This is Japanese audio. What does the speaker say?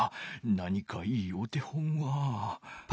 何かいいお手本は。